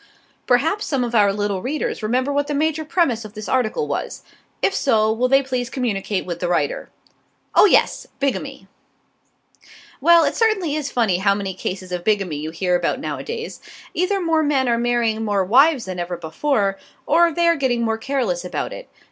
Perhaps some of our little readers remember what the major premise of this article was. If so, will they please communicate with the writer. Oh, yes! Bigamy! Well, it certainly is funny how many cases of bigamy you hear about nowadays. Either more men are marrying more wives than ever before, or they are getting more careless about it.